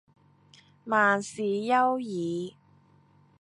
萬事休矣